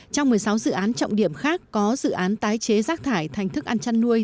trong một mươi sáu dự án trọng điểm khác có dự án tái chế rác thải thành thức ăn chăn nuôi